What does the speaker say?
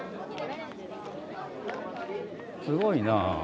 すごいな。